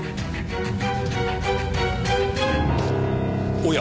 おや！